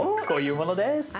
こういうものです。